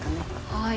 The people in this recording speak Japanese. はい。